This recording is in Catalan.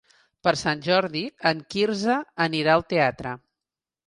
Per Sant Jordi en Quirze anirà al teatre.